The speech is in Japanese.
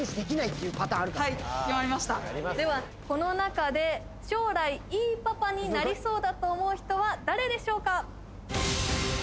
はいではこの中で将来いいパパになりそうだと思う人は誰でしょうか？